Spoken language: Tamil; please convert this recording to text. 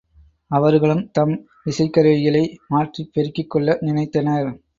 அவர்களும் தம் இசைக்கருவிகளை மாற்றிப் பெருக்கிக் கொள்ள நினைத்தனர்.